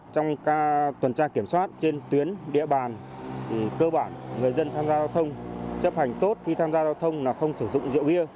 trong tuần tra kiểm soát trên tuyến địa bàn cơ bản người dân tham gia giao thông chấp hành tốt khi tham gia giao thông là không sử dụng rượu bia